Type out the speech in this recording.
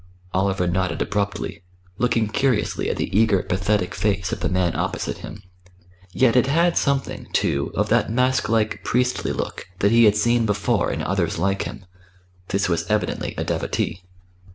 Oliver nodded abruptly, looking curiously at the eager pathetic face of the man opposite him; yet it had something, too, of that mask like priestly look that he had seen before in others like him. This was evidently a devotee.